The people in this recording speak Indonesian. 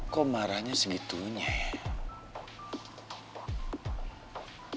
kok marahnya segitunya ya